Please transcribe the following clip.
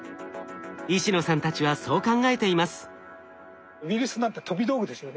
石野さんたちはそう考えています。